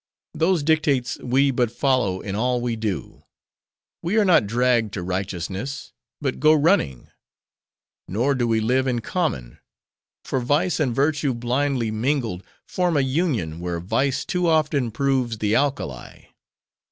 Those dictates we but follow in all we do; we are not dragged to righteousness; but go running. Nor do we live in common. For vice and virtue blindly mingled, form a union where vice too often proves the alkali.